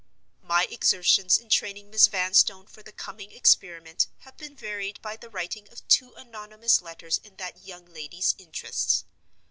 My exertions in training Miss Vanstone for the coming experiment have been varied by the writing of two anonymous letters in that young lady's interests.